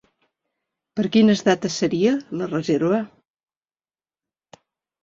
Per quines dates seria la reserva?